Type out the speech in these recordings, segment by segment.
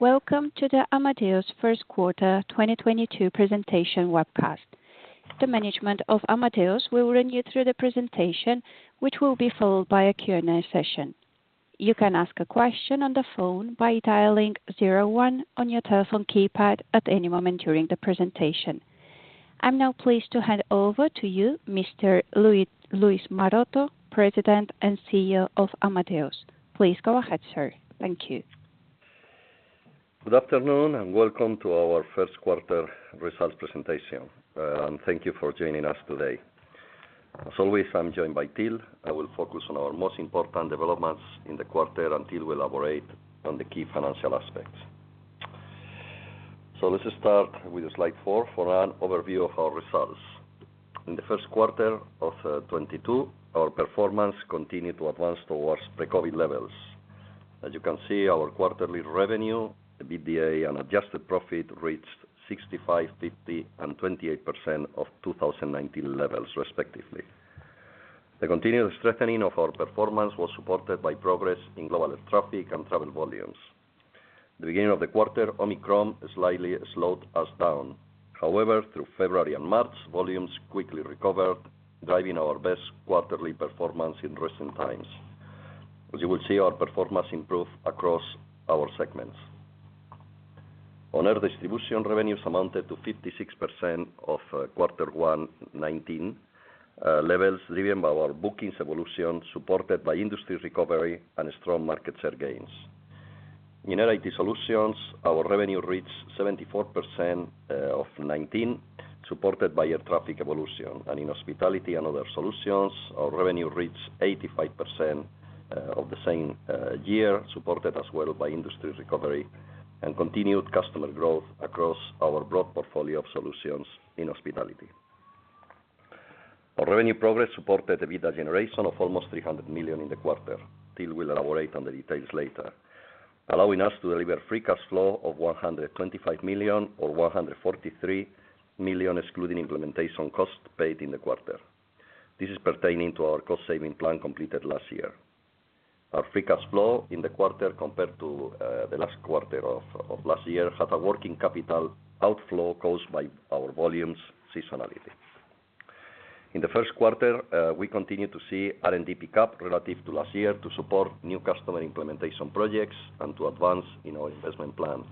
Welcome to the Amadeus Q1 2022 presentation webcast. The management of Amadeus will run you through the presentation, which will be followed by a Q&A session. You can ask a question on the phone by dialing zero one on your telephone keypad at any moment during the presentation. I'm now pleased to hand over to you, Mr. Luis Maroto, President and CEO of Amadeus. Please go ahead, sir. Thank you. Good afternoon, and welcome to our Q1 results presentation, and thank you for joining us today. As always, I'm joined by Till. I will focus on our most important developments in the quarter, and Till will elaborate on the key financial aspects. Let us start with slide four for an overview of our results. In the Q1 of 2022, our performance continued to advance towards pre-COVID levels. As you can see, our quarterly revenue, EBITDA, and adjusted profit reached 65%, 50%, and 28% of 2019 levels respectively. The continued strengthening of our performance was supported by progress in global air traffic and travel volumes. The beginning of the quarter, Omicron slightly slowed us down. However, through February and March, volumes quickly recovered, driving our best quarterly performance in recent times. As you will see, our performance improved across our segments. On Air Distribution, revenues amounted to 56% of Q1 2019 levels, driven by our bookings evolution, supported by industry recovery and strong market share gains. In Air IT Solutions, our revenue reached 74% of 2019, supported by air traffic evolution. In Hospitality & Other Solutions, our revenue reached 85% of the same year, supported as well by industry recovery and continued customer growth across our broad portfolio of solutions in hospitality. Our revenue progress supported EBITDA generation of almost 300 million in the quarter. Till will elaborate on the details later. Allowing us to deliver free cash flow of 125 million or 143 million, excluding implementation costs paid in the quarter. This is pertaining to our cost saving plan completed last year. Our free cash flow in the quarter compared to the last quarter of last year had a working capital outflow caused by our volumes seasonality. In the Q1, we continued to see R&D pick up relative to last year to support new customer implementation projects and to advance in our investment plan.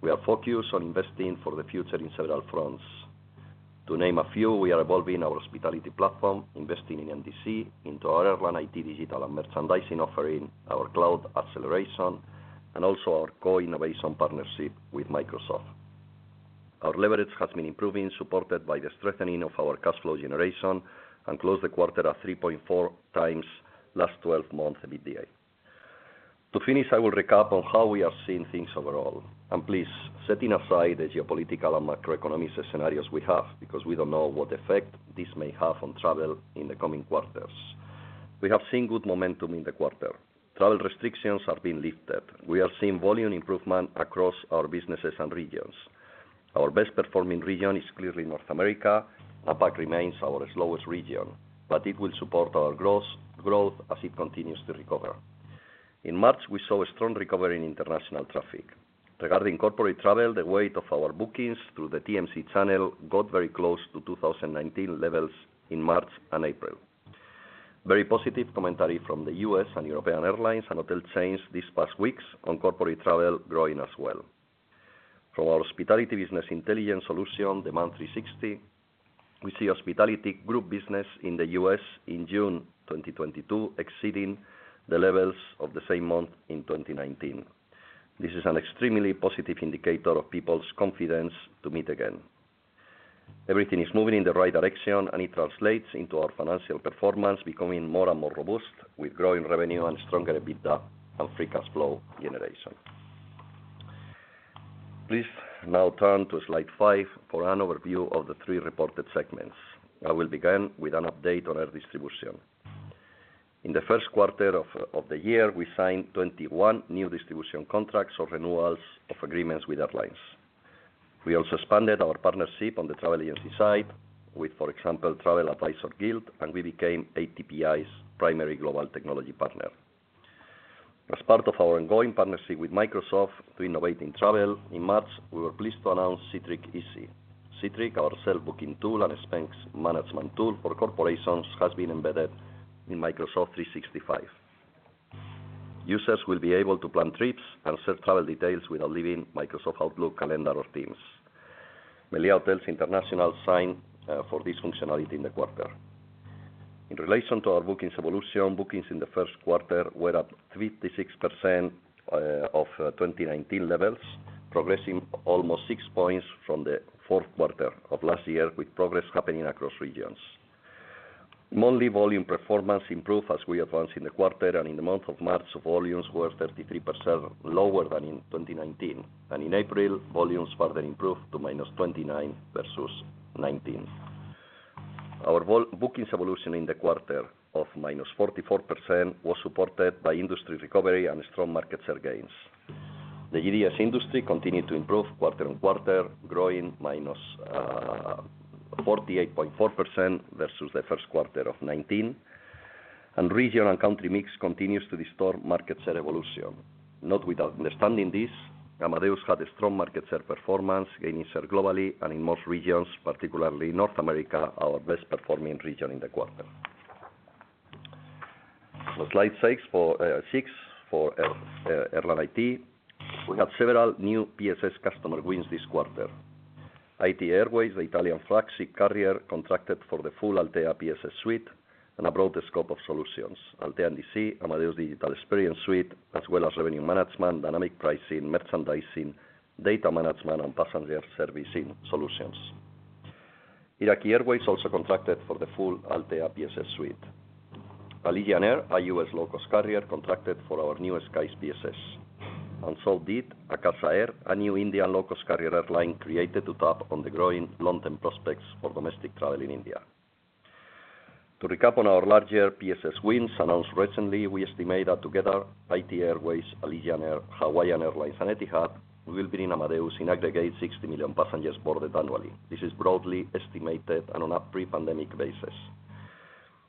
We are focused on investing for the future in several fronts. To name a few, we are evolving our hospitality platform, investing in NDC, into our airline IT digital and merchandising offering, our cloud acceleration, and also our co-innovation partnership with Microsoft. Our leverage has been improving, supported by the strengthening of our cash flow generation, and closed the quarter at 3.4x last twelve-month EBITDA. To finish, I will recap on how we are seeing things overall, and please, setting aside the geopolitical and macroeconomic scenarios we have, because we don't know what effect this may have on travel in the coming quarters. We have seen good momentum in the quarter. Travel restrictions have been lifted. We are seeing volume improvement across our businesses and regions. Our best performing region is clearly North America. APAC remains our slowest region, but it will support our gross growth as it continues to recover. In March, we saw a strong recovery in international traffic. Regarding corporate travel, the weight of our bookings through the TMC channel got very close to 2019 levels in March and April. Very positive commentary from the U.S. and European airlines and hotel chains these past weeks on corporate travel growing as well. From our hospitality business intelligence solution, Demand360, we see hospitality group business in the U.S. in June 2022 exceeding the levels of the same month in 2019. This is an extremely positive indicator of people's confidence to meet again. Everything is moving in the right direction, and it translates into our financial performance becoming more and more robust with growing revenue and stronger EBITDA and free cash flow generation. Please now turn to slide five for an overview of the three reported segments. I will begin with an update on Air Distribution. In the Q1 of the year, we signed 21 new distribution contracts or renewals of agreements with airlines. We also expanded our partnership on the travel agency side with, for example, Travel Advisors Guild, and we became ATPI's primary global technology partner. As part of our ongoing partnership with Microsoft to innovate in travel, in March, we were pleased to announce Cytric Easy. Cytric, our self-booking tool and expense management tool for corporations, has been embedded in Microsoft 365. Users will be able to plan trips and set travel details without leaving Microsoft Outlook, Calendar or Teams. Meliá Hotels International signed for this functionality in the quarter. In relation to our bookings evolution, bookings in the Q1 were up 36% of 2019 levels, progressing almost six points from the Q4 of last year, with progress happening across regions. Monthly volume performance improved as we advanced in the quarter, and in the month of March, volumes were 33% lower than in 2019. In April, volumes further improved to -29% versus 2019. Our bookings evolution in the quarter of -44% was supported by industry recovery and strong market share gains. The GDS industry continued to improve quarter-on-quarter, growing -48.4% versus the Q1 of 2019. Region and country mix continues to distort market share evolution. Not without understanding this, Amadeus had a strong market share performance, gaining share globally and in most regions, particularly North America, our best performing region in the quarter. Slide six for Airline IT. We have several new PSS customer wins this quarter. ITA Airways, the Italian flagship carrier, contracted for the full Altéa PSS suite and a broader scope of solutions. Altéa NDC, Amadeus Digital Experience Suite, as well as revenue management, dynamic pricing, merchandising, data management, and passenger servicing solutions. Iraqi Airways also contracted for the full Altéa PSS suite. Allegiant Air, a US low-cost carrier, contracted for our New Skies PSS. Akasa Air, a new Indian low-cost carrier airline created to tap into the growing long-term prospects for domestic travel in India. To recap on our larger PSS wins announced recently, we estimate that together ITA Airways, Allegiant Air, Hawaiian Airlines, and Etihad will bring Amadeus in aggregate 60 million passengers boarded annually. This is broadly estimated and on a pre-pandemic basis.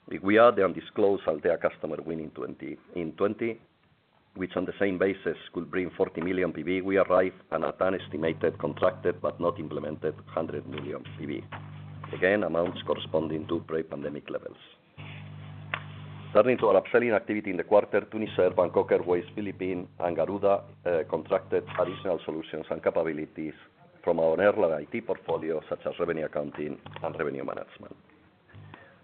If we add the undisclosed Altéa customer win in 2020, which on the same basis could bring 40 million PBs, we arrive at an estimated contracted but not implemented 100 million PBs. Again, amounts corresponding to pre-pandemic levels. Turning to our upselling activity in the quarter, Tunisair, Bangkok Airways, Philippine Airlines, and Garuda Indonesia contracted additional solutions and capabilities from our Airline IT portfolio, such as revenue accounting and revenue management.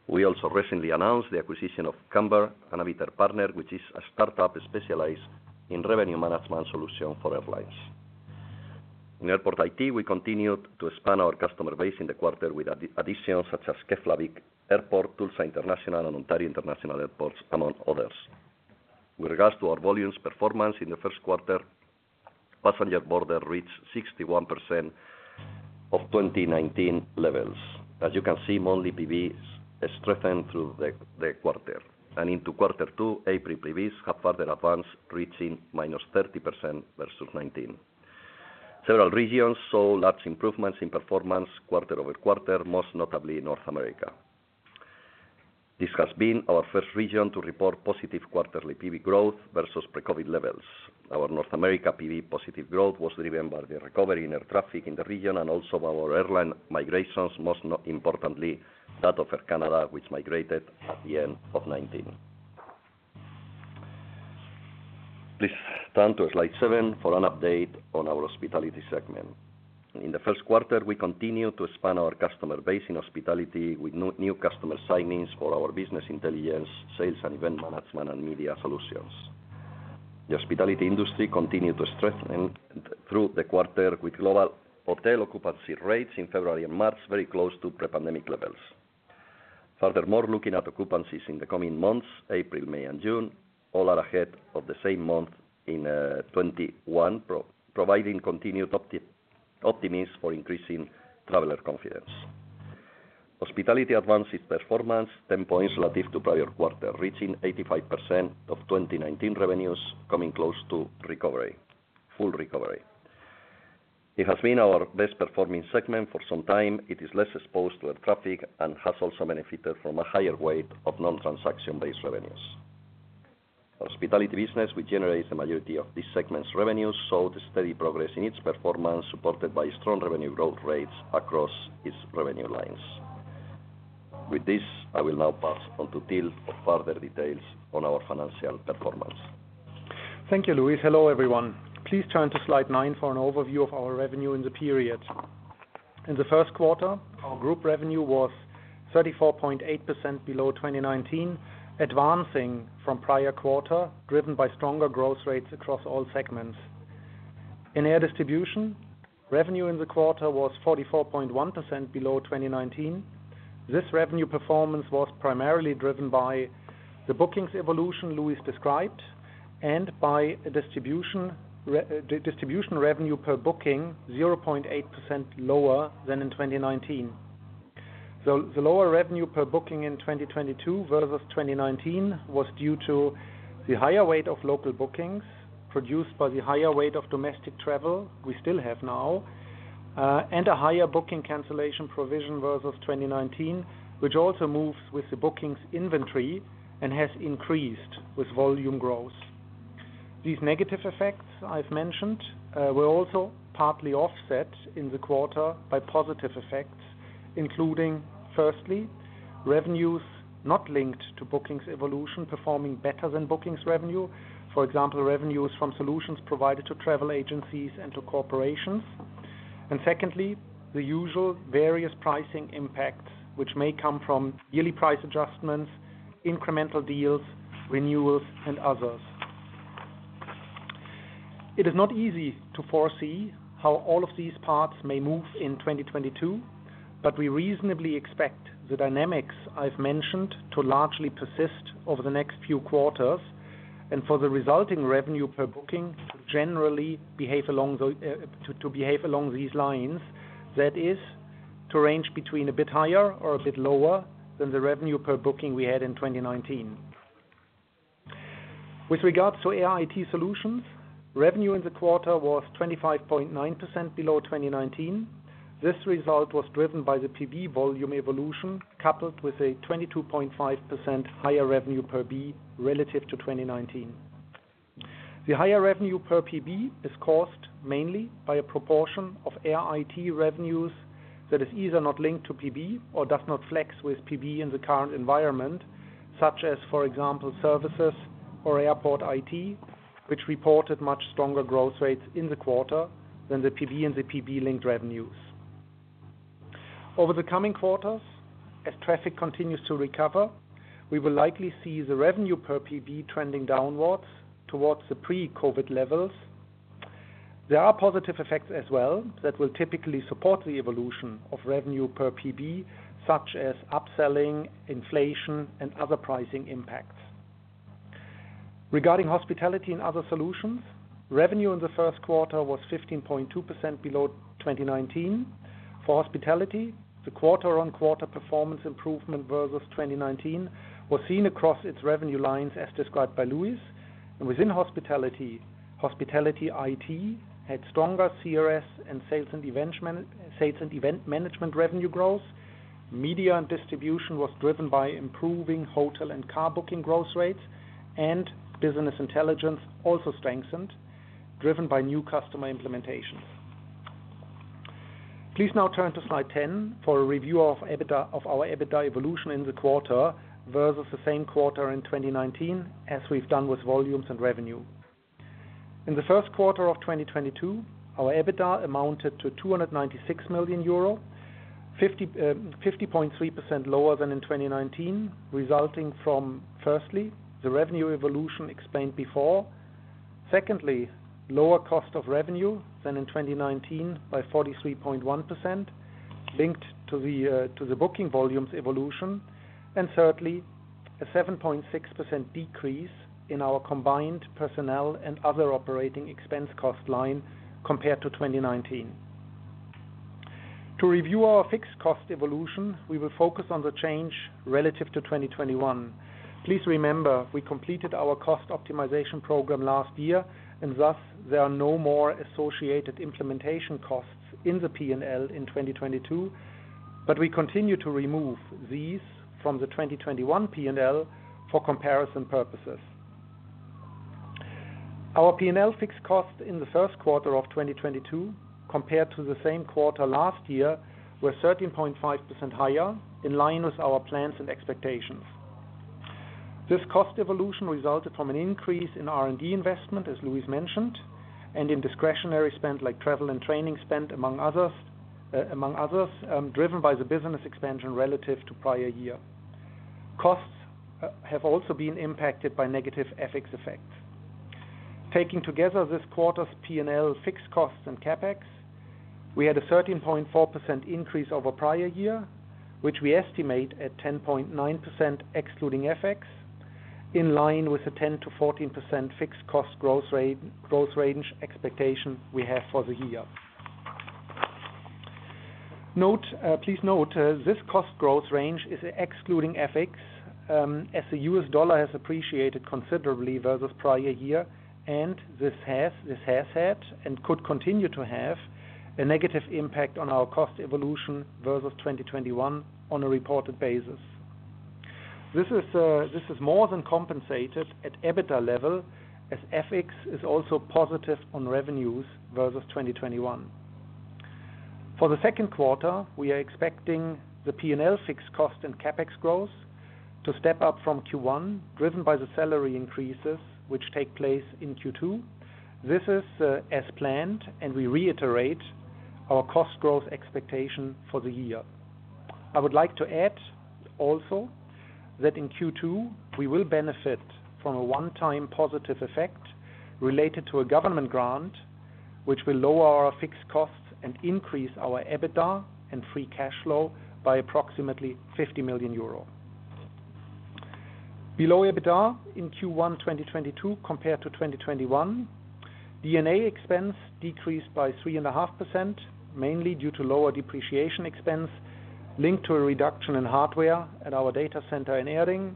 We also recently announced the acquisition of Kambr, an Amadeus partner, which is a startup specialized in revenue management solution for airlines. In Airport IT, we continued to expand our customer base in the quarter with additions such as Keflavík Airport, Tulsa International Airport, and Ontario International Airport, among others. With regards to our volumes performance in the Q1, passengers boarded reached 61% of 2019 levels. As you can see, monthly PBs strengthened through the quarter. Into Q2, April PBs have further advanced, reaching -30% versus 2019. Several regions saw large improvements in performance quarter-over-quarter, most notably North America. This has been our first region to report positive quarterly PB growth versus pre-COVID levels. Our North America PB positive growth was driven by the recovery in air traffic in the region and also our airline migrations, most importantly, that of Air Canada, which migrated at the end of 2019. Please turn to slide seven for an update on our hospitality segment. In the Q1, we continued to expand our customer base in hospitality with new customer signings for our business intelligence, sales and event management, and media solutions. The hospitality industry continued to strengthen through the quarter with global hotel occupancy rates in February and March, very close to pre-pandemic levels. Furthermore, looking at occupancies in the coming months, April, May, and June, all are ahead of the same month in 2021 providing continued optimism for increasing traveler confidence. Hospitality advanced its performance 10 points relative to prior quarter, reaching 85% of 2019 revenues, coming close to full recovery. It has been our best performing segment for some time. It is less exposed to air traffic and has also benefited from a higher weight of non-transaction-based revenues. Hospitality business, which generates the majority of this segment's revenues, showed a steady progress in its performance, supported by strong revenue growth rates across its revenue lines. With this, I will now pass on to Till for further details on our financial performance. Thank you, Luis. Hello, everyone. Please turn to slide 9 for an overview of our revenue in the period. In the Q1, our group revenue was 34.8% below 2019, advancing from prior quarter, driven by stronger growth rates across all segments. In Air Distribution, revenue in the quarter was 44.1% below 2019. This revenue performance was primarily driven by the bookings evolution Luis described and by Air Distribution revenue per booking 0.8% lower than in 2019. The lower revenue per booking in 2022 versus 2019 was due to the higher weight of local bookings produced by the higher weight of domestic travel we still have now, and a higher booking cancellation provision versus 2019, which also moves with the bookings inventory and has increased with volume growth. These negative effects I've mentioned were also partly offset in the quarter by positive effects, including firstly, revenues not linked to bookings evolution performing better than bookings revenue. For example, revenues from solutions provided to travel agencies and to corporations. Secondly, the usual various pricing impacts, which may come from yearly price adjustments, incremental deals, renewals, and others. It is not easy to foresee how all of these parts may move in 2022, but we reasonably expect the dynamics I've mentioned to largely persist over the next few quarters. For the resulting revenue per booking to generally behave along these lines. That is, to range between a bit higher or a bit lower than the revenue per booking we had in 2019. With regard to Air IT Solutions, revenue in the quarter was 25.9% below 2019. This result was driven by the PB volume evolution, coupled with a 22.5% higher revenue per PB relative to 2019. The higher revenue per PB is caused mainly by a proportion of Air IT revenues that is either not linked to PB or does not flex with PB in the current environment, such as, for example, services or airport IT, which reported much stronger growth rates in the quarter than the PB and the PB linked revenues. Over the coming quarters, as traffic continues to recover, we will likely see the revenue per PB trending downwards towards the pre-COVID levels. There are positive effects as well that will typically support the evolution of revenue per PB, such as upselling, inflation, and other pricing impacts. Regarding hospitality and other solutions, revenue in the Q1 was 15.2% below 2019. For hospitality, the quarter-on-quarter performance improvement versus 2019 was seen across its revenue lines as described by Luis. Within hospitality, Hospitality IT had stronger CRS and sales and event management revenue growth. Media and distribution was driven by improving hotel and car booking growth rates. Business intelligence also strengthened, driven by new customer implementations. Please now turn to slide 10 for a review of EBITDA, of our EBITDA evolution in the quarter versus the same quarter in 2019, as we've done with volumes and revenue. In the Q1 of 2022, our EBITDA amounted to 296 million euro, 50.3% lower than in 2019, resulting from, firstly, the revenue evolution explained before. Secondly, lower cost of revenue than in 2019 by 43.1% linked to the booking volumes evolution. Thirdly, a 7.6% decrease in our combined personnel and other operating expense cost line compared to 2019. To review our fixed cost evolution, we will focus on the change relative to 2021. Please remember, we completed our cost optimization program last year, and thus there are no more associated implementation costs in the P&L in 2022. We continue to remove these from the 2021 P&L for comparison purposes. Our P&L fixed cost in the Q1 of 2022 compared to the same quarter last year were 13.5% higher, in line with our plans and expectations. This cost evolution resulted from an increase in R&D investment, as Luis mentioned, and in discretionary spend, like travel and training spend, among others, driven by the business expansion relative to prior year. Costs have also been impacted by negative FX effects. Taking together this quarter's P&L fixed costs and CapEx, we had a 13.4% increase over prior year, which we estimate at 10.9% excluding FX, in line with the 10% to 14% fixed cost growth range expectation we have for the year. Please note, this cost growth range is excluding FX, as the US dollar has appreciated considerably versus prior year, and this has had and could continue to have a negative impact on our cost evolution versus 2021 on a reported basis. This is more than compensated at EBITDA level as FX is also positive on revenues versus 2021. For the Q2, we are expecting the P&L fixed cost and CapEx growth to step up from Q1, driven by the salary increases which take place in Q2. This is as planned, and we reiterate our cost growth expectation for the year. I would like to add also that in Q2, we will benefit from a one-time positive effect related to a government grant, which will lower our fixed costs and increase our EBITDA and free cash flow by approximately 50 million euro. Below EBITDA in Q1, 2022 compared to 2021, D&A expense decreased by 3.5%, mainly due to lower depreciation expense linked to a reduction in hardware at our data center in Erding.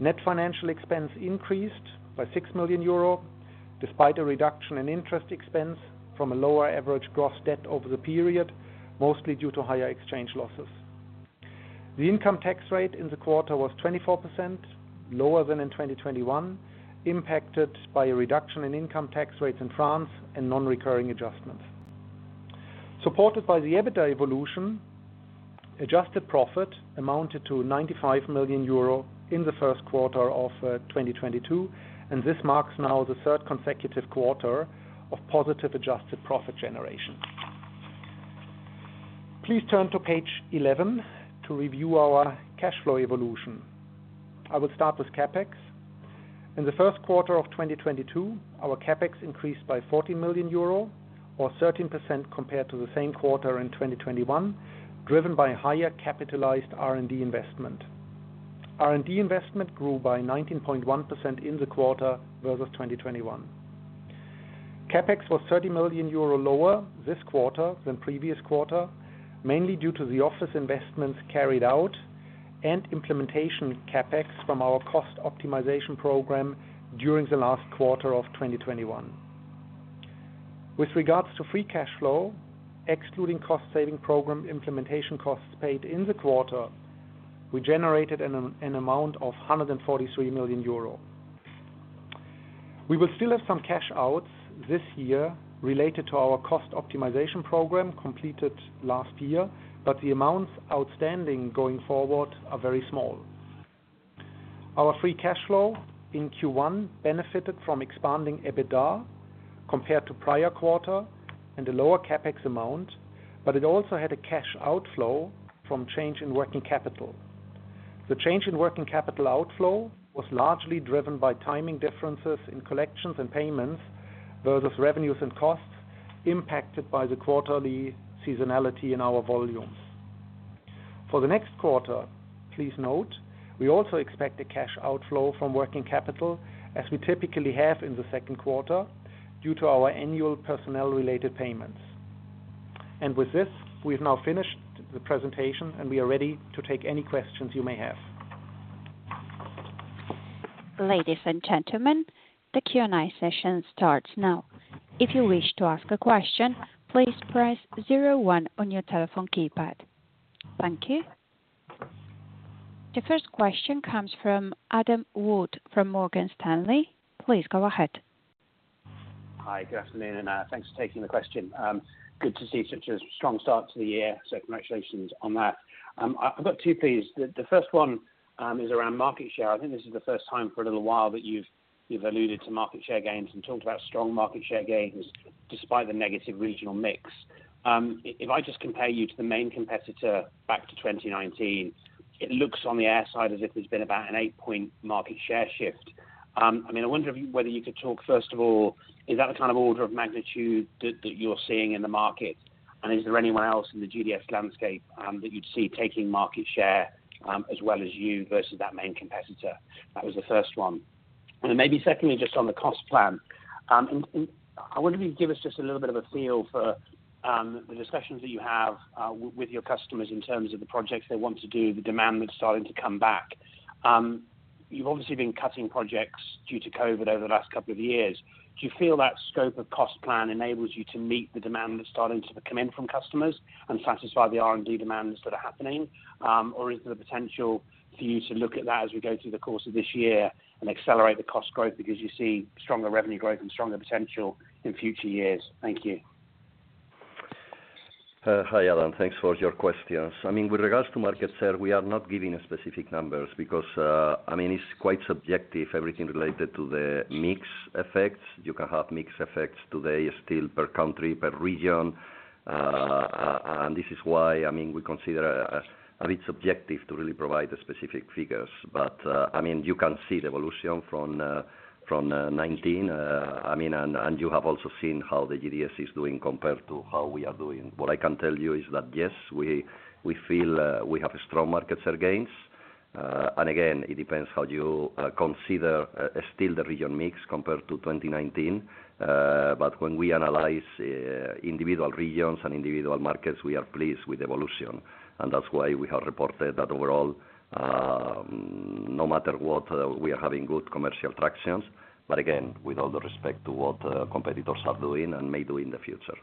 Net financial expense increased by 6 million euro, despite a reduction in interest expense from a lower average gross debt over the period, mostly due to higher exchange losses. The income tax rate in the quarter was 24%, lower than in 2021, impacted by a reduction in income tax rates in France and non-recurring adjustments. Supported by the EBITDA evolution, adjusted profit amounted to 95 million euro in the Q1 of 2022, and this marks now the third consecutive quarter of positive adjusted profit generation. Please turn to page 11 to review our cash flow evolution. I will start with CapEx. In the Q1 of 2022, our CapEx increased by 40 million euro or 13% compared to the same quarter in 2021, driven by higher capitalized R&D investment. R&D investment grew by 19.1% in the quarter versus 2021. CapEx was 30 million euro lower this quarter than previous quarter, mainly due to the office investments carried out and implementation CapEx from our cost optimization program during the last quarter of 2021. With regards to free cash flow, excluding cost saving program implementation costs paid in the quarter, we generated an amount of 143 million euro. We will still have some cash outs this year related to our cost optimization program completed last year, but the amounts outstanding going forward are very small. Our free cash flow in Q1 benefited from expanding EBITDA compared to prior quarter and a lower CapEx amount, but it also had a cash outflow from change in working capital. The change in working capital outflow was largely driven by timing differences in collections and payments, versus revenues and costs impacted by the quarterly seasonality in our volumes. For the next quarter, please note, we also expect a cash outflow from working capital, as we typically have in the Q2, due to our annual personnel related payments. With this, we've now finished the presentation, and we are ready to take any questions you may have. Ladies and gentlemen, the Q&A session starts now. If you wish to ask a question, please press zero one on your telephone keypad. Thank you. The first question comes from Adam Wood from Morgan Stanley. Please go ahead. Hi, good afternoon, and thanks for taking the question. Good to see such a strong start to the year. Congratulations on that. I've got two, please. The first one is around market share. I think this is the first time for a little while that you've alluded to market share gains and talked about strong market share gains despite the negative regional mix. If I just compare you to the main competitor back to 2019, it looks on the air side as if there's been about an eight-point market share shift. I mean, I wonder whether you could talk first of all, is that the kind of order of magnitude that you're seeing in the market? Is there anyone else in the GDS landscape that you'd see taking market share as well as you versus that main competitor? That was the first one. Maybe secondly, just on the cost plan. I wonder if you can give us just a little bit of a feel for the discussions that you have with your customers in terms of the projects they want to do, the demand that's starting to come back. You've obviously been cutting projects due to COVID over the last couple of years. Do you feel that scope of cost plan enables you to meet the demand that's starting to come in from customers and satisfy the R&D demands that are happening? Is there the potential for you to look at that as we go through the course of this year and accelerate the cost growth because you see stronger revenue growth and stronger potential in future years? Thank you. Hi, Adam. Thanks for your questions. I mean, with regards to market share, we are not giving specific numbers because, I mean, it's quite subjective, everything related to the mix effects. You can have mix effects today still per country, per region. This is why, I mean, we consider a bit subjective to really provide the specific figures. I mean, you can see the evolution from 2019. I mean, and you have also seen how the GDS is doing compared to how we are doing. What I can tell you is that, yes, we feel we have strong market share gains. Again, it depends how you consider still the region mix compared to 2019. When we analyze individual regions and individual markets, we are pleased with evolution. That's why we have reported that overall, no matter what, we are having good commercial tractions, but again, with all due respect to what competitors are doing and may do in the future.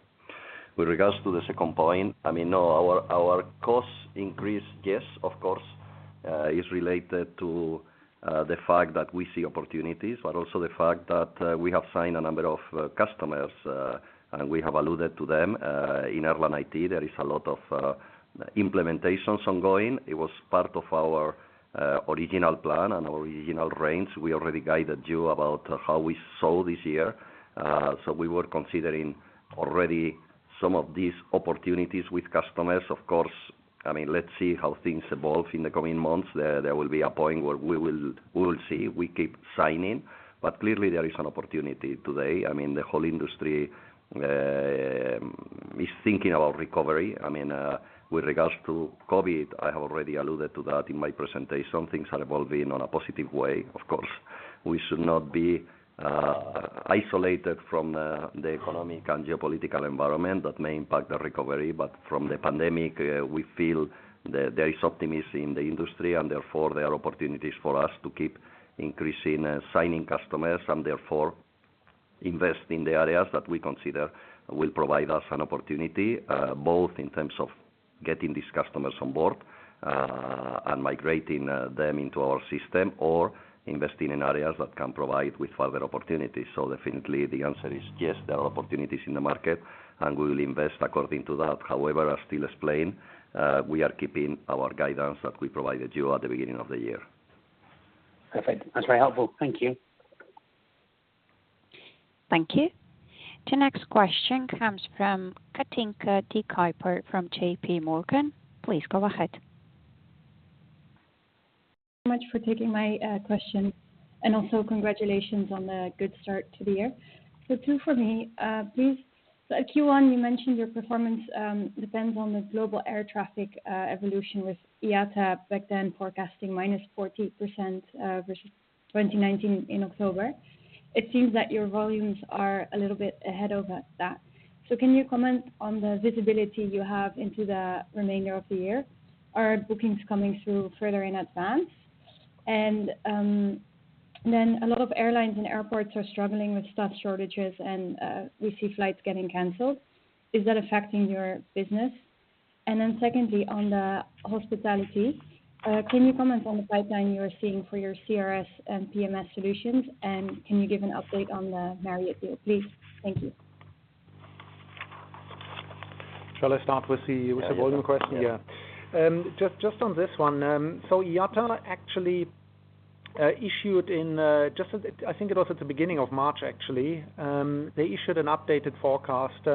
With regards to the second point, I mean, no, our costs increase, yes, of course, is related to the fact that we see opportunities, but also the fact that we have signed a number of customers, and we have alluded to them in Airline IT. There is a lot of implementations ongoing. It was part of our original plan and original range. We already guided you about how we saw this year. We were considering already some of these opportunities with customers. Of course, I mean, let's see how things evolve in the coming months. There will be a point where we will see. We keep signing, but clearly there is an opportunity today. I mean, the whole industry is thinking about recovery. I mean, with regards to COVID, I have already alluded to that in my presentation. Things are evolving on a positive way. Of course, we should not be isolated from the economic and geopolitical environment that may impact the recovery. From the pandemic, we feel that there is optimism in the industry and therefore there are opportunities for us to keep increasing signing customers and therefore invest in the areas that we consider will provide us an opportunity both in terms of getting these customers on board and migrating them into our system or investing in areas that can provide with further opportunities. Definitely the answer is yes, there are opportunities in the market and we will invest according to that. However, as Till explained, we are keeping our guidance that we provided you at the beginning of the year. Perfect. That's very helpful. Thank you. Thank you. The next question comes from Kathinka De Kuyper from JPMorgan. Please go ahead. Thanks for taking my question, and also congratulations on the good start to the year. Two for me. Please. At Q1 you mentioned your performance depends on the global air traffic evolution with IATA back then forecasting -14% versus 2019 in October. It seems that your volumes are a little bit ahead over that. Can you comment on the visibility you have into the remainder of the year? Are bookings coming through further in advance? And then a lot of airlines and airports are struggling with staff shortages and we see flights getting canceled. Is that affecting your business? And then secondly, on the hospitality, can you comment on the pipeline you are seeing for your CRS and PMS solutions? And can you give an update on the Marriott deal, please? Thank you. Shall I start with the volume question? Yeah. Just on this one. IATA actually issued, I think it was at the beginning of March, actually. They issued an updated forecast,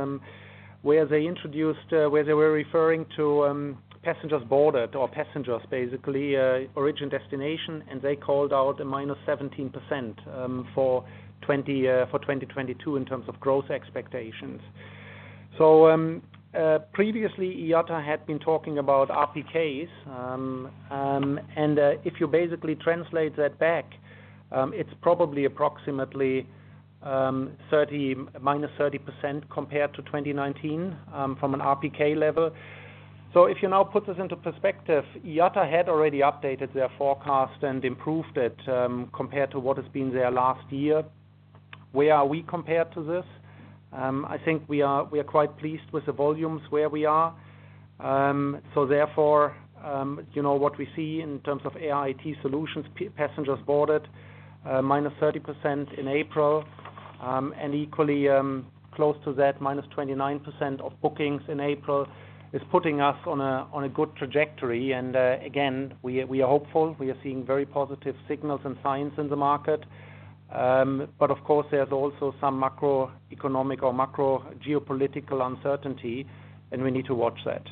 where they were referring to passengers boarded or passengers basically origin destination, and they called out a -17% for 2022 in terms of growth expectations. Previously IATA had been talking about RPKs. If you basically translate that back, it's probably approximately minus 30% compared to 2019 from an RPK level. If you now put this into perspective, IATA had already updated their forecast and improved it compared to what has been there last year. Where are we compared to this? I think we are quite pleased with the volumes where we are. Therefore, you know, what we see in terms of Air IT Solutions, passengers boarded, minus 30% in April, and equally, close to that, minus 29% of bookings in April, is putting us on a good trajectory. Again, we are hopeful. We are seeing very positive signals and signs in the market. Of course there's also some macroeconomic or macro geopolitical uncertainty, and we need to watch that.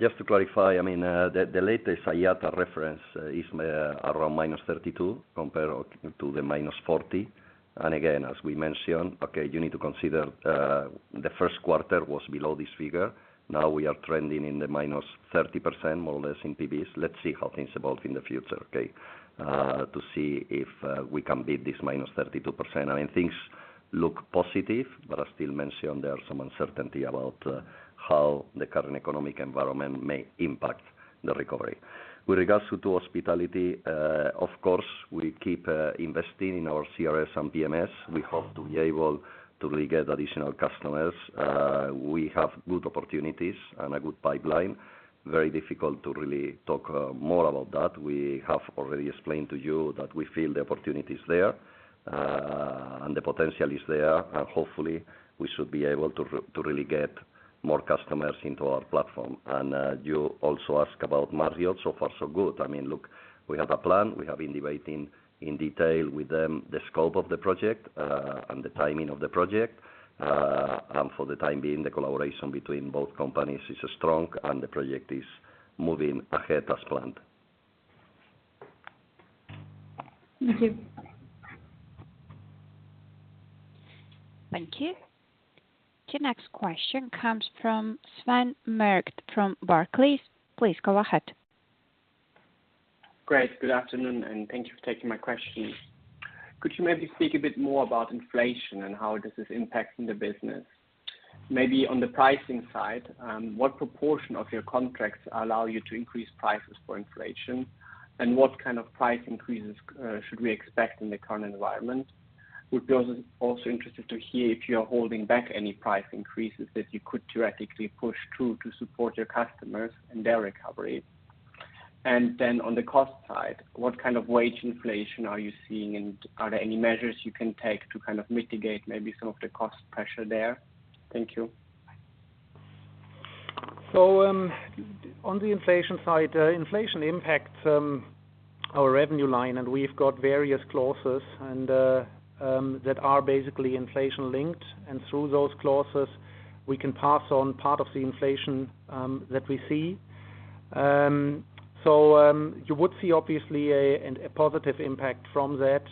Just to clarify, I mean, the latest IATA reference is around -32% compared to the -40%. Again, as we mentioned, okay, you need to consider the Q1 was below this figure. Now we are trending in the -30% more or less in PB. Let's see how things evolve in the future, okay? To see if we can beat this -32%. I mean, things look positive, but I still mention there are some uncertainty about how the current economic environment may impact the recovery. With regards to hospitality, of course, we keep investing in our CRS and PMS. We hope to be able to really get additional customers. We have good opportunities and a good pipeline. Very difficult to really talk more about that. We have already explained to you that we feel the opportunity is there, and the potential is there. Hopefully, we should be able to really get more customers into our platform. You also ask about Marriott. So far so good. I mean, look, we have a plan. We have been debating in detail with them the scope of the project, and the timing of the project. For the time being, the collaboration between both companies is strong, and the project is moving ahead as planned. Thank you. Thank you. The next question comes from Sven Merkt from Barclays. Please go ahead. Great. Good afternoon, and thank you for taking my question. Could you maybe speak a bit more about inflation and how this is impacting the business? Maybe on the pricing side, what proportion of your contracts allow you to increase prices for inflation? And what kind of price increases should we expect in the current environment? Would be also interested to hear if you're holding back any price increases that you could theoretically push through to support your customers and their recovery. And then on the cost side, what kind of wage inflation are you seeing? And are there any measures you can take to kind of mitigate maybe some of the cost pressure there? Thank you. On the inflation side, inflation impacts our revenue line, and we've got various clauses and that are basically inflation linked. Through those clauses, we can pass on part of the inflation that we see. You would see obviously a positive impact from that.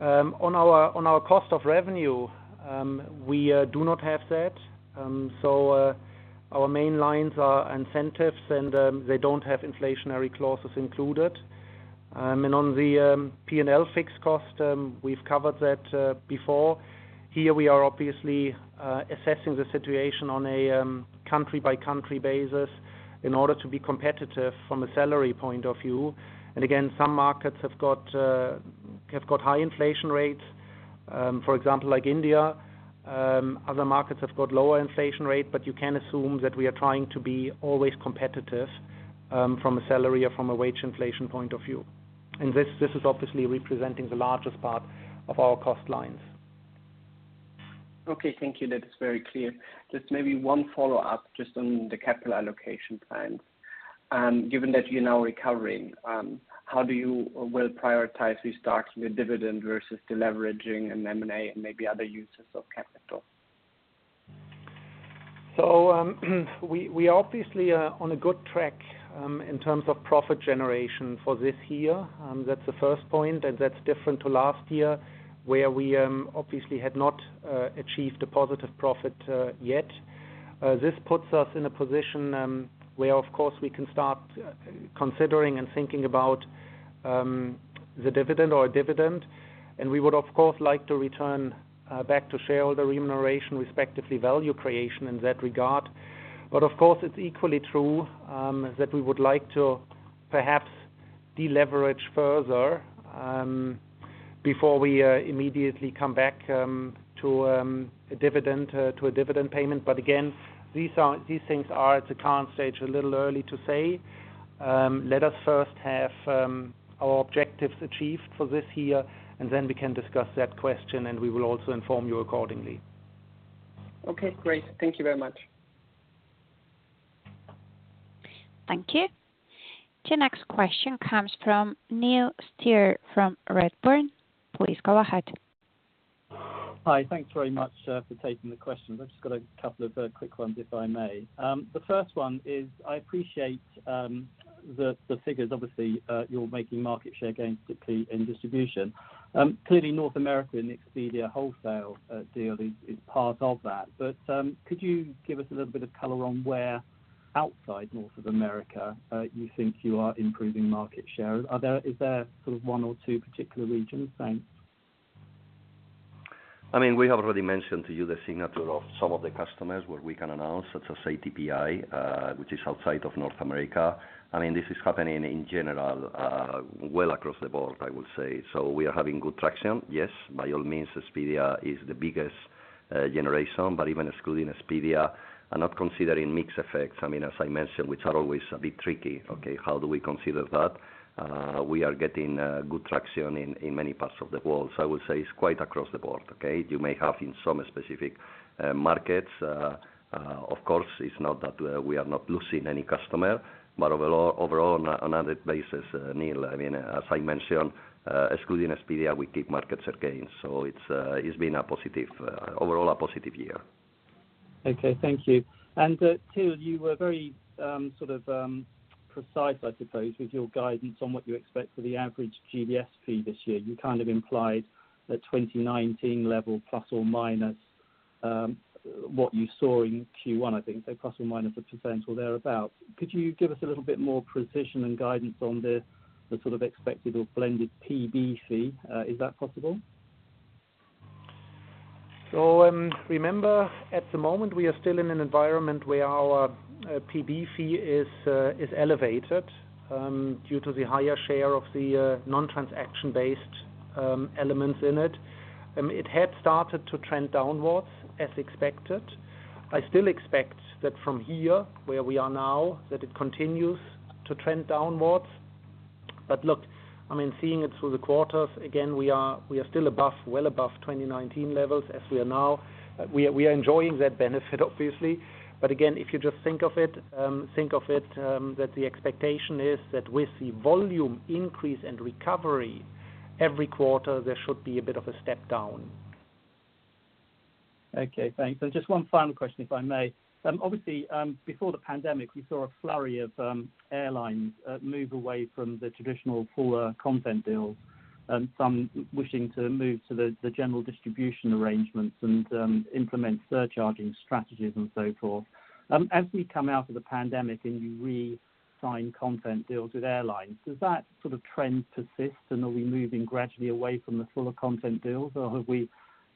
On our cost of revenue, we do not have that. Our main lines are incentives, and they don't have inflationary clauses included. On the P&L fixed cost, we've covered that before. Here we are obviously assessing the situation on a country-by-country basis in order to be competitive from a salary point of view. Again, some markets have got high inflation rates, for example, like India. Other markets have got lower inflation rate, but you can assume that we are trying to be always competitive, from a salary or from a wage inflation point of view. This is obviously representing the largest part of our cost lines. Okay. Thank you. That is very clear. Just maybe one follow-up just on the Capital allocation plans. Given that you're now recovering, how do you or will prioritize restocks with dividend versus deleveraging and M&A and maybe other uses of capital? We obviously are on a good track in terms of profit generation for this year. That's the first point, and that's different to last year, where we obviously had not achieved a positive profit yet. This puts us in a position where of course we can start considering and thinking about the dividend. We would, of course, like to return back to shareholder remuneration respectively value creation in that regard. Of course, it's equally true that we would like to perhaps deleverage further before we immediately come back to a dividend payment. Again, these things are, at the current stage, a little early to say. Let us first have our objectives achieved for this year, and then we can discuss that question, and we will also inform you accordingly. Okay, great. Thank you very much. Thank you. The next question comes from Neil Steer from Redburn. Please go ahead. Hi. Thanks very much for taking the question. I've just got a couple of quick ones if I may. The first one is I appreciate the figures. Obviously, you're making market share gains, particularly in distribution. Clearly North America and the Expedia wholesale deal is part of that. Could you give us a little bit of color on where outside North America you think you are improving market share? Is there sort of one or two particular regions? Thanks. I mean, we have already mentioned to you the signature of some of the customers where we can announce, such as ATPI, which is outside of North America. I mean, this is happening in general, well across the board, I would say. We are having good traction, yes. By all means, Expedia is the biggest generation. Even excluding Expedia and not considering mix effects, I mean, as I mentioned, which are always a bit tricky, okay. How do we consider that? We are getting good traction in many parts of the world. I would say it's quite across the board, okay? You may have in some specific markets, of course, it's not that we are not losing any customer, but overall on other basis, Neil, I mean, as I mentioned, excluding Expedia, we keep market share gains. It's been a positive, overall a positive year. Okay, thank you. Till, you were very sort of precise, I suppose, with your guidance on what you expect for the average GDS fee this year. You kind of implied the 2019 level plus or minus what you saw in Q1, I think. Plus or minus 1% or thereabout. Could you give us a little bit more precision and guidance on the sort of expected or blended PB fee? Is that possible? Remember, at the moment, we are still in an environment where our PB fee is elevated due to the higher share of the non-transaction based elements in it. It had started to trend downwards as expected. I still expect that from here, where we are now, that it continues to trend downwards. But look, I mean, seeing it through the quarters, again, we are still above, well above 2019 levels as we are now. We are enjoying that benefit obviously. But again, if you just think of it, that the expectation is that with the volume increase and recovery every quarter, there should be a bit of a step down. Okay, thanks. Just one final question, if I may. Obviously, before the pandemic, we saw a flurry of airlines move away from the traditional fuller content deals, some wishing to move to the general distribution arrangements and implement surcharging strategies and so forth. As we come out of the pandemic and you re-sign content deals with airlines, does that sort of trend persist, and are we moving gradually away from the fuller content deals, or have we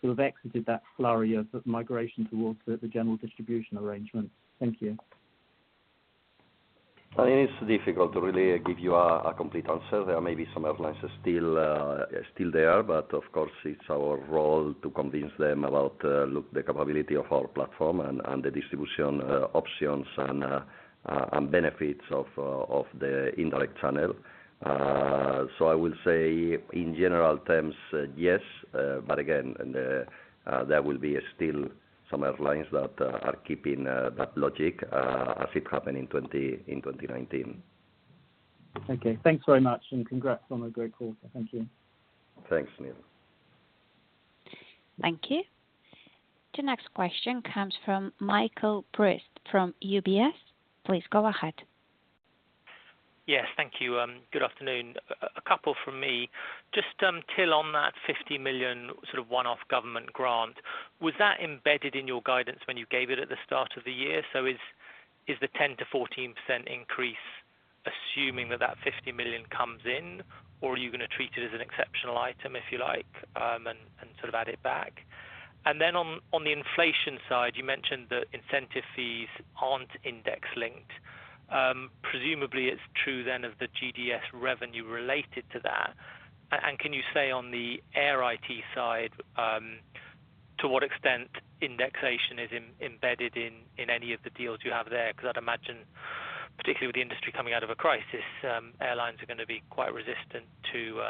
sort of exited that flurry of migration towards the general distribution arrangement? Thank you. I mean, it's difficult to really give you a complete answer. There may be some airlines still there, but of course it's our role to convince them about look, the capability of our platform and the distribution options and benefits of the indirect channel. I will say in general terms, yes. There will be still some airlines that are keeping that logic as it happened in 2019. Okay. Thanks very much, and congrats on a great quarter. Thank you. Thanks, Neil. Thank you. The next question comes from Michael Briest from UBS. Please go ahead. Yes, thank you. Good afternoon. A couple from me. Just, Till, on that 50 million sort of one-off government grant, was that embedded in your guidance when you gave it at the start of the year? So is the 10% to 14% increase assuming that that 50 million comes in, or are you gonna treat it as an exceptional item, if you like, and sort of add it back? Then on the inflation side, you mentioned the incentive fees aren't index linked. Presumably, it's true then of the GDS revenue related to that. And can you say on the Air IT side, to what extent indexation is embedded in any of the deals you have there? Because I'd imagine, particularly with the industry coming out of a crisis, airlines are gonna be quite resistant to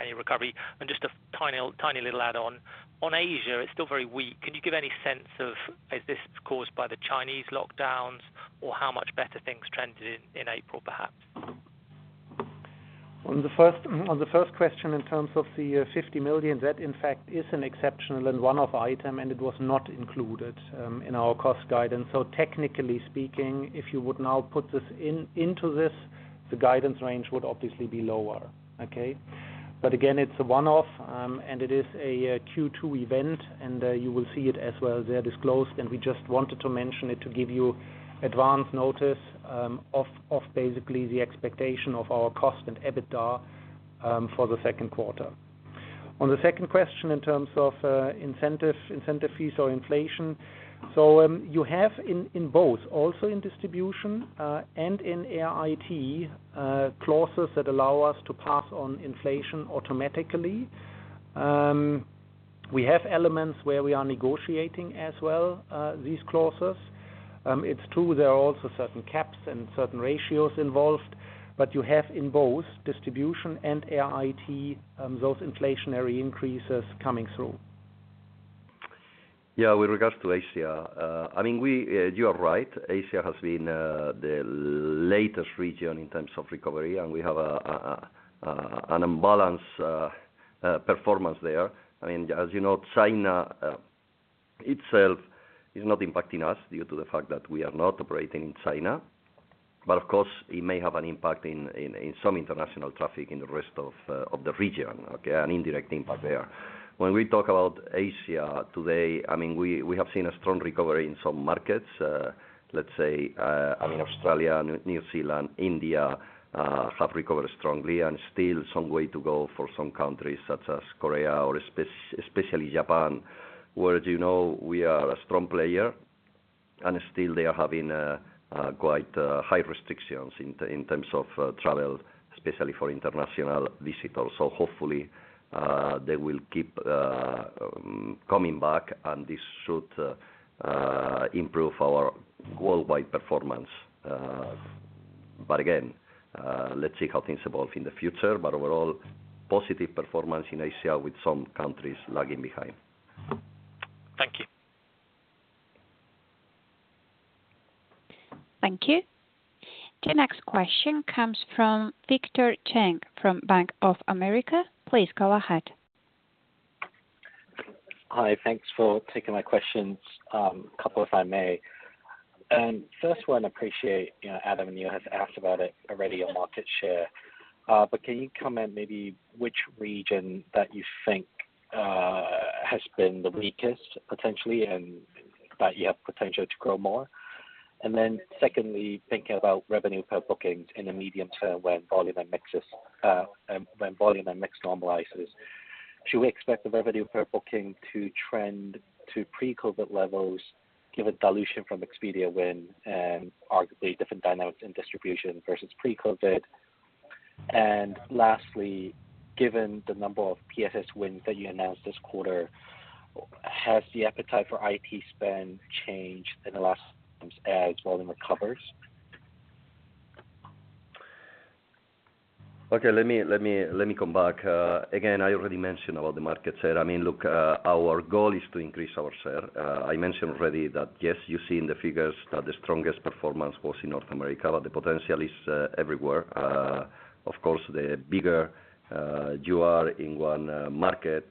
any recovery. Just a tiny little add-on. On Asia, it's still very weak. Can you give any sense of, is this caused by the Chinese lockdowns, or how much better things trended in April, perhaps? On the first question, in terms of the 50 million, that in fact is an exceptional and one-off item, and it was not included in our cost guidance. Technically speaking, if you would now put this into this, the guidance range would obviously be lower. Okay. Again, it's a one-off, and it is a Q2 event, and you will see it as well there disclosed, and we just wanted to mention it to give you advance notice of basically the expectation of our cost and EBITDA for the Q2. On the second question, in terms of incentive fees or inflation, you have in both also in distribution and in Air IT clauses that allow us to pass on inflation automatically. We have elements where we are negotiating as well, these clauses. It's true, there are also certain caps and certain ratios involved, but you have in both distribution and Air IT, those inflationary increases coming through. Yeah. With regards to Asia, I mean, you are right. Asia has been the latest region in terms of recovery, and we have an imbalanced performance there. I mean, as you know, China itself is not impacting us due to the fact that we are not operating in China. Of course, it may have an impact in some international traffic in the rest of the region, okay, an indirect impact there. When we talk about Asia today, I mean, we have seen a strong recovery in some markets. Let's say, I mean, Australia, New Zealand, India, have recovered strongly and still some way to go for some countries such as Korea or especially Japan, where, as you know, we are a strong player, and still they are having quite high restrictions in terms of travel, especially for international visitors. Hopefully, they will keep coming back and this should improve our worldwide performance. Again, let's see how things evolve in the future. Overall, positive performance in Asia with some countries lagging behind. Thank you. Thank you. The next question comes from Victor Cheng from Bank of America. Please go ahead. Hi. Thanks for taking my questions. A couple, if I may. First one, appreciate, you know, Adam, and you have asked about it already on market share. Can you comment maybe which region that you think has been the weakest potentially and that you have potential to grow more? Then secondly, thinking about revenue per bookings in the medium term when volume and mix normalizes, should we expect the revenue per booking to trend to pre-COVID levels, given dilution from Expedia win and arguably different dynamics in distribution versus pre-COVID? Lastly, given the number of PSS wins that you announced this quarter, has the appetite for IT spend changed in the last year while it recovers? Okay. Let me come back. Again, I already mentioned about the market share. I mean, look, our goal is to increase our share. I mentioned already that yes, you see in the figures that the strongest performance was in North America, but the potential is everywhere. Of course, the bigger you are in one market,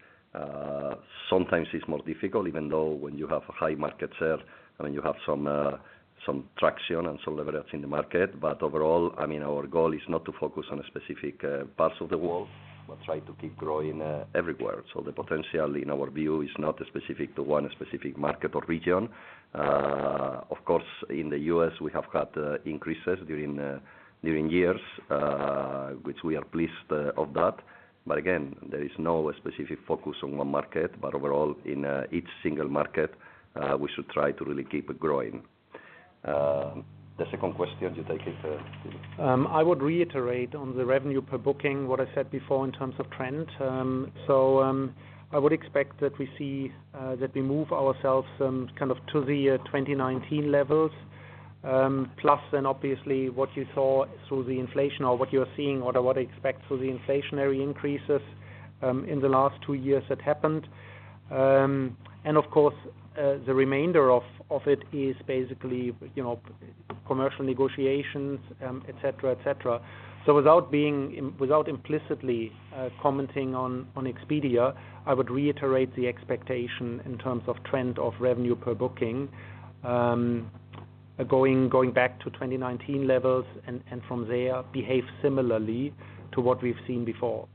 sometimes it's more difficult even though when you have a high market share, I mean, you have some traction and some leverage in the market. But overall, I mean, our goal is not to focus on a specific parts of the world. We'll try to keep growing everywhere. The potential in our view is not specific to one specific market or region. Of course, in the U.S., we have had increases during years which we are pleased of that. Again, there is no specific focus on one market. Overall, in each single market, we should try to really keep it growing. The second question, do you take it, Till? I would reiterate on the revenue per booking what I said before in terms of trend. I would expect that we move ourselves kind of to the 2019 levels. Plus then obviously what you saw through the inflation or what you're seeing or what to expect through the inflationary increases in the last two years that happened. Of course, the remainder of it is basically, you know, commercial negotiations, et cetera, et cetera. Without implicitly commenting on Expedia, I would reiterate the expectation in terms of trend of revenue per booking going back to 2019 levels and from there behave similarly to what we've seen before.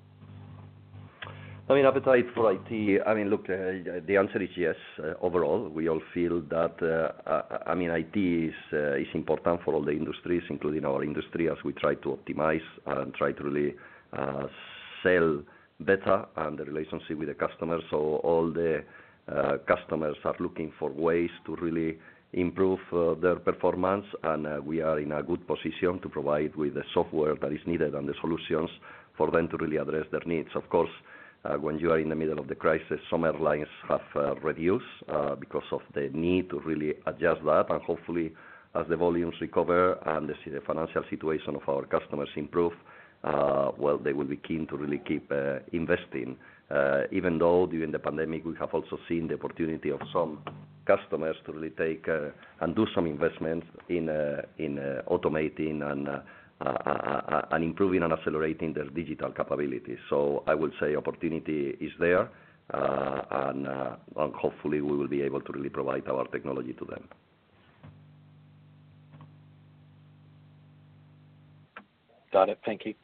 I mean, appetite for IT, I mean, look, the answer is yes. Overall, we all feel that, I mean, IT is important for all the industries, including our industry, as we try to optimize and try to really sell better and the relationship with the customers. All the customers are looking for ways to really improve their performance. We are in a good position to provide with the software that is needed and the solutions for them to really address their needs. Of course, when you are in the middle of the crisis, some airlines have reduced because of the need to really adjust that. Hopefully, as the volumes recover and the financial situation of our customers improve, well, they will be keen to really keep investing. Even though during the pandemic, we have also seen the opportunity of some customers to really take and do some investments in in automating and improving and accelerating their digital capabilities. I would say opportunity is there, and hopefully we will be able to really provide our technology to them. Got it. Thank you.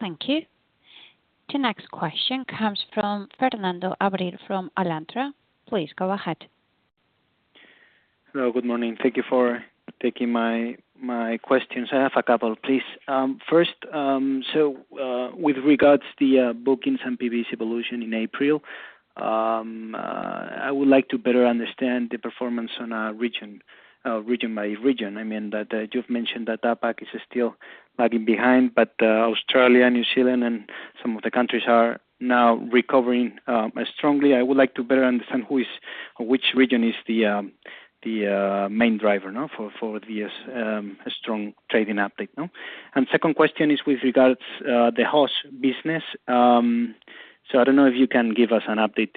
Thank you. The next question comes from Fernando Abril-Martorell from Alantra. Please go ahead. Hello, good morning. Thank you for taking my questions. I have a couple, please. First, with regards to the bookings and PBs evolution in April, I would like to better understand the performance on a region by region. I mean that you've mentioned that APAC is still lagging behind, but Australia, New Zealand and some of the countries are now recovering strongly. I would like to better understand which region is the main driver for the strong trading update. No? Second question is with regards to the host business. I don't know if you can give us an update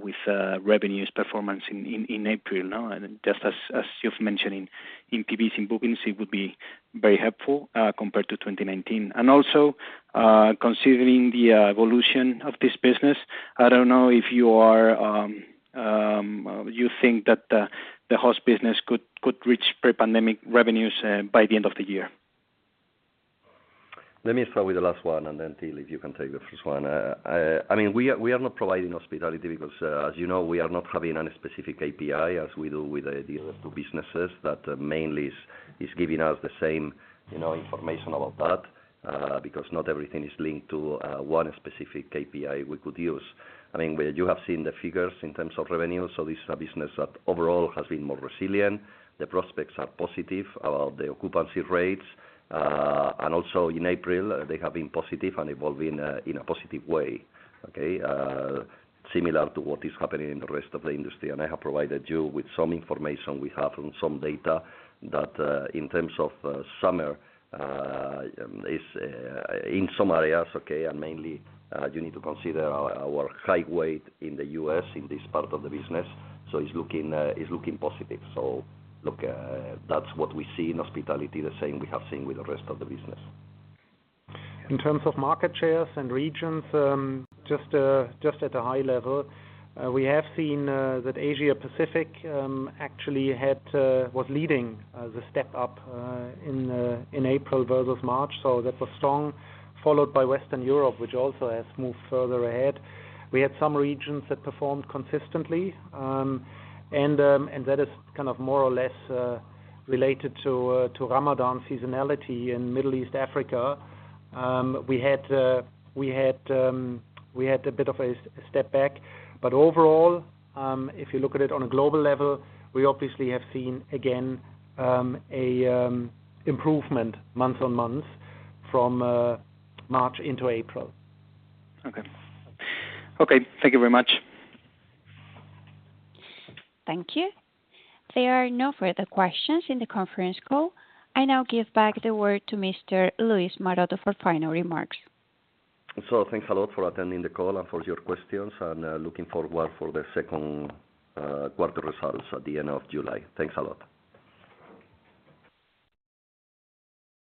with revenue performance in April now, and just as you've mentioned in PB bookings, it would be very helpful compared to 2019. Considering the evolution of this business, I don't know if you think that the host business could reach pre-pandemic revenues by the end of the year. Let me start with the last one, and then, Till, if you can take the first one. I mean, we are not providing hospitality because, as you know, we are not having any specific KPI as we do with these other two businesses that mainly is giving us the same, you know, information about that, because not everything is linked to one specific KPI we could use. I mean, you have seen the figures in terms of revenue. This is a business that overall has been more resilient. The prospects are positive about the occupancy rates. And also in April, they have been positive and evolving in a positive way. Okay? Similar to what is happening in the rest of the industry. I have provided you with some information we have on some data that, in terms of summer, is in some areas okay, and mainly you need to consider our high weight in the U.S. in this part of the business. It's looking positive. Look, that's what we see in hospitality, the same we have seen with the rest of the business. In terms of market shares and regions, just at a high level, we have seen that Asia Pacific actually was leading the step up in April versus March. That was strong, followed by Western Europe, which also has moved further ahead. We had some regions that performed consistently, and that is kind of more or less related to Ramadan seasonality in Middle East Africa. We had a bit of a step back. But overall, if you look at it on a global level, we obviously have seen, again, an improvement month-on-month from March into April. Okay. Thank you very much. Thank you. There are no further questions in the conference call. I now give back the word to Mr. Luis Maroto for final remarks. Thanks a lot for attending the call and for your questions, and looking forward to the Q2 results at the end of July. Thanks a lot.